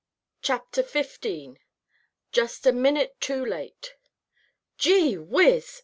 CHAPTER XV JUST A MINUTE TOO LATE "Gee whiz!"